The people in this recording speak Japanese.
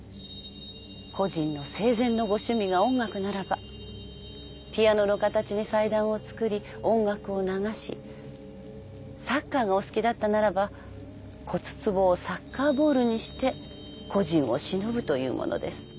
故人の生前のご趣味が音楽ならばピアノの形に祭壇を作り音楽を流しサッカーがお好きだったならば骨つぼをサッカーボールにして故人をしのぶというものです。